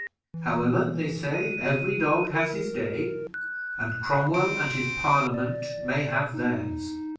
However, they say 'Every dog has his day,' and Cromwell and his Parliament may have theirs.